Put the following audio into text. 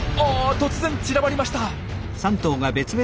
突然散らばりました。